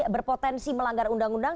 berpotensi melanggar undang undang